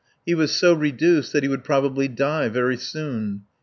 He was so reduced that he would probably die very soon.